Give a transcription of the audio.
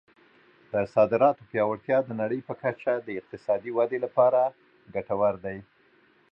د صادراتو پیاوړتیا د نړۍ په کچه د اقتصادي ودې لپاره ګټور دی.